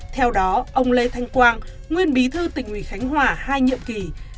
theo đó ông lê thanh quang nguyên bí thư tỉnh ủy khánh hòa hai nhiệm kỳ